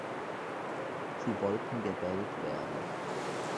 Sie wollten gewählt werden.